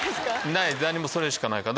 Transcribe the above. ない何もそれしかないから。